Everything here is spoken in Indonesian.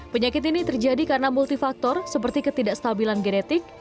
penyakit ini terjadi karena multifaktor seperti ketidakstabilan genetik